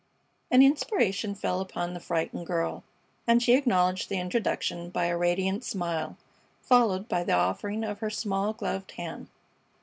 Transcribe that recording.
An inspiration fell upon the frightened girl, and she acknowledged the introduction by a radiant smile, followed by the offering of her small gloved hand.